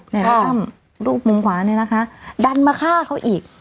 แล้วตั้มรูปมุมขวาเนี่ยนะคะดันมาฆ่าเขาอีก